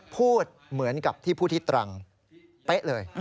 พูดเหมือนกับที่พูดที่ตรังเป๊ะเลย